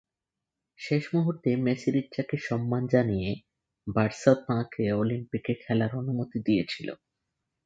শেষ মুহূর্তে মেসির ইচ্ছাকে সম্মান জানিয়ে বার্সা তাঁকে অলিম্পিকে খেলার অনুমতি দিয়েছিল।